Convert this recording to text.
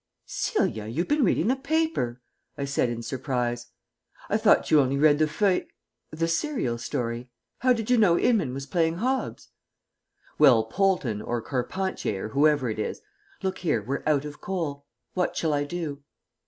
"Celia, you've been reading the paper," I said in surprise. "I thought you only read the feuill the serial story. How did you know Inman was playing Hobbs?" "Well, Poulton or Carpentier or whoever it is. Look here, we're out of coal. What shall I do?"